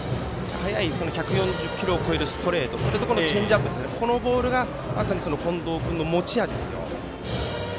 速い１４０キロを超えるストレートとそれとあのチェンジアップがまさに近藤君の持ち味ですよ。